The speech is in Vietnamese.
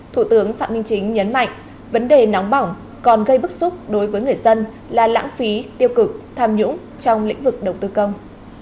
thủ tướng phạm minh chính nhấn mạnh vấn đề nóng bỏng còn gây bức xúc đối với người dân là lãng phí tiêu cực tham nhũng trong lĩnh vực đầu tư công